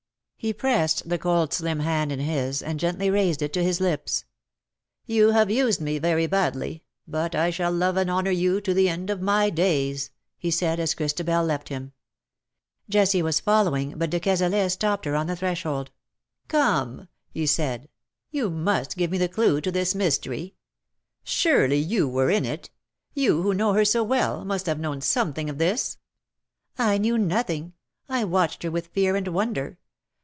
He pressed the cold slim hand in his, and gently raised it to his lips. '' You have used me very badly, but I shall love and honour you to the end of my days," he said, as Christabel left him. Jessie was following, but de Cazalet stopped her on the threshold. " Come," he said, '' you must give me the clue to this mystery. Surely you were in it — you, who know her so well, must have known something of this ?"'' I knew knowing. I watched her with fear and wonder.